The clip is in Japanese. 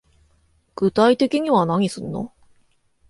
具体的には何すんの